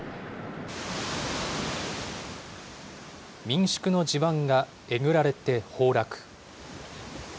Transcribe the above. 民宿の地盤がえぐられて崩落。